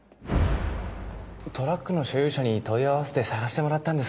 トラックの所有者に問い合わせて捜してもらったんですが